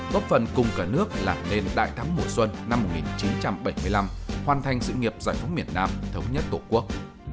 góp phần cùng cả nước làm nên đại thắng mùa xuân năm một nghìn chín trăm bảy mươi năm hoàn thành sự nghiệp giải phóng miền nam thống nhất tổ quốc